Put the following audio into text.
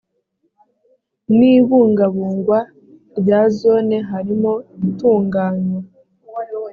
n ibungabungwa rya zone harimo itunganywa